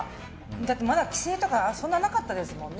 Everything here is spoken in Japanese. だってまだ規制とかそんなになかったですもんね。